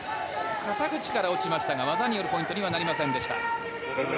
肩口から落ちましたが技によるポイントにはなりませんでした。